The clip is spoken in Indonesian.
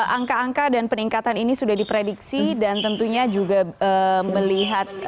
angka angka dan peningkatan ini sudah diprediksi dan tentunya juga melihat